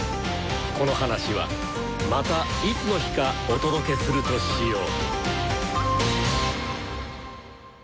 この話はまたいつの日かお届けするとしよう。